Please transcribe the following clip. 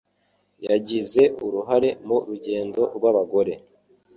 Yagize uruhare mu rugendo rw’abagore.